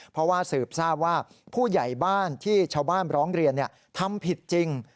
เพราะว่าสืบทราบว่าผู้ใหญ่บ้านที่ชาวบ้านร้องเรียนทำผิดจริง